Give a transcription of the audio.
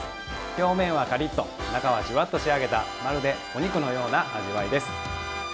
表面はカリッと中はジュワッと仕上げたまるでお肉のような味わいです。